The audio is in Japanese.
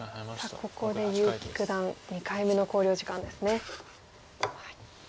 さあここで結城九段２回目の考慮時間ですね。